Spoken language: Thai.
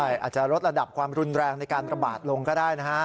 อาจจะลดระดับความรุนแรงในการระบาดลงก็ได้นะฮะ